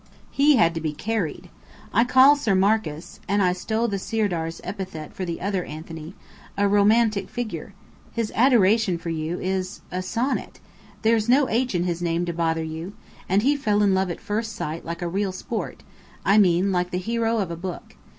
He had to be carried. I call Sir Marcus (and I stole the Sirdar's epithet for the other Anthony) a Romantic Figure! His adoration for you is a a sonnet. There's no 'h' in his name to bother you. And he fell in love at first sight, like a real sport I mean, like the hero of a book.